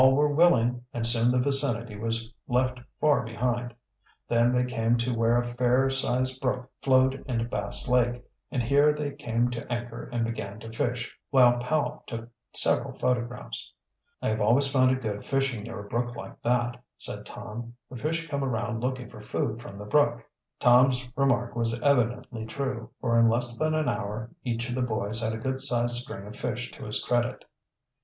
All were willing, and soon the vicinity was left far behind. Then they came to where a fair sized brook flowed into Bass Lake, and here they came to anchor and began to fish, while Powell took several photographs. "I have always found it good fishing near a brook like that," said Tom. "The fish come around looking for food from the brook." Tom's remark was evidently true, for in less than an hour each of the boys had a good sized string of fish to his credit.